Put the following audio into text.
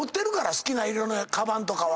好きな色のかばんとかは。